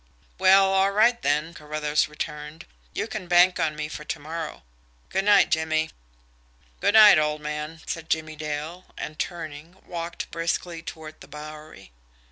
"Well, all right then," Carruthers returned. "You can bank on me for to morrow. Good night, Jimmie." "Good night, old man," said Jimmie Dale, and, turning, walked briskly toward the Bowery.